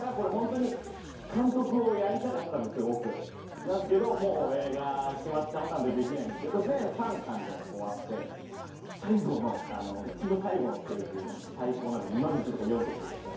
なんすけどもう映画決まっちゃったんでできないんですけどこれ全３巻で終わって最後の一番最後のページが最高なんでマジでちょっとこれ読んでみてください。